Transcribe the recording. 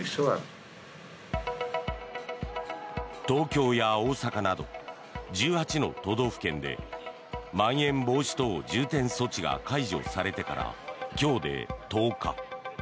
東京や大阪など１８の都道府県でまん延防止等重点措置が解除されてから今日で１０日。